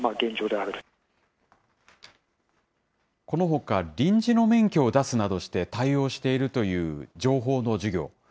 このほか、臨時の免許を出すなどして対応しているという情報の授業。